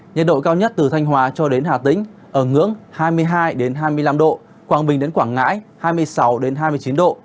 nhiệt độ cao nhất từ thanh hóa cho đến hà tĩnh ở ngưỡng hai mươi hai hai mươi năm độ quảng bình đến quảng ngãi hai mươi sáu hai mươi chín độ